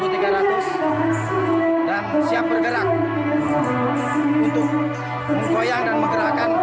dan siap bergerak untuk menggoyang dan menggerakkan